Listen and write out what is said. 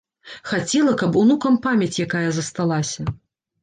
Хацела, каб унукам памяць якая засталася.